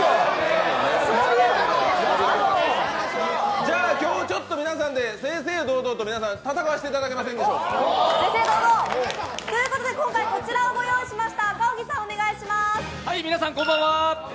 じゃあ、今日はちょっと皆さんで正々堂々と戦わせていただけませんでしょうか？ということで今回こちらをご用意しました。